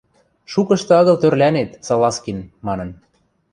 — Шукышты агыл тӧрлӓнет, Салазкин, — манын.